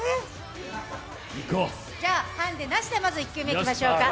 じゃ、ハンデなしでまず１球目、いきましょうか。